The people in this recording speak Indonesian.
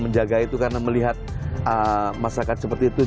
menjaga itu karena melihat masyarakat seperti itu